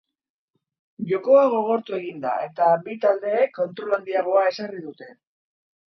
Jokoa gogortu egin da eta bi taldeek kontrol handiagoa ezarri dute.